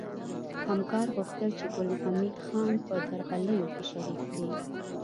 همکار غوښتل چې ګل حمید خان په درغلیو کې شریک کړي